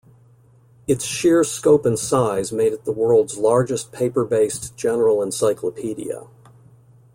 Its sheer scope and size made it the world's largest paper-based general encyclopedia.